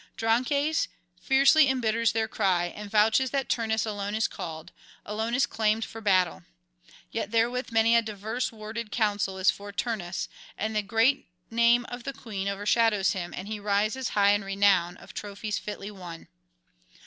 Drances fiercely embitters their cry, and vouches that Turnus alone is called, alone is claimed for battle. Yet therewith many a diverse worded counsel is for Turnus, and the great name of the queen overshadows him, and he rises high in renown of trophies fitly won.